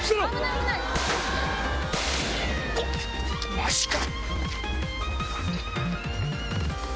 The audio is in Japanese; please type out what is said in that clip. マジか。